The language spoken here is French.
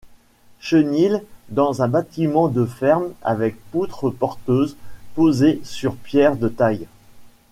Chenil dans un bâtiment de ferme avec poutres porteuses posées sur pierres de taille.